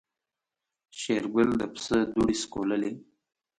شېرګل د پسه دوړې سکوللې.